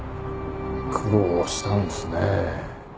苦労したんですね。